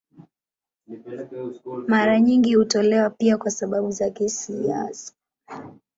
Mara nyingi hutolewa pia kwa sababu za kisiasa.